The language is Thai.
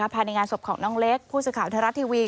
ภายในงานศพของน้องเล็กผู้ชืนข่ามนรรทรารัฐทีวี